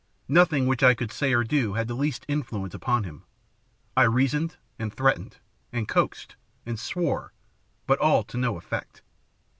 Nothing which I could say or do had the least influence upon him. I reasoned, and threatened, and coaxed, and swore, but all to no effect.